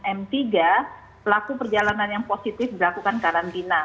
yang ke tiga pelaku perjalanan yang positif berlakukan karantina